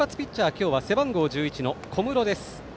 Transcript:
今日は背番号１１の小室です。